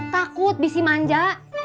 takut bisi manja